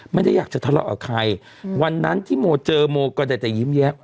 ไม่ได้อยากจะทะเลาะกับใครวันนั้นที่โมเจอโมก็ได้แต่ยิ้มแย้ม